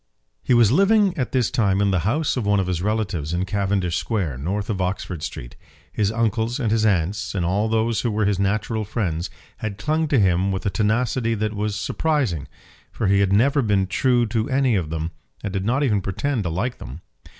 He was living at this time in the house of one of his relatives in Cavendish Square, north of Oxford Street. His uncles and his aunts, and all those who were his natural friends, had clung to him with a tenacity that was surprising; for he had never been true to any of them, and did not even pretend to like them.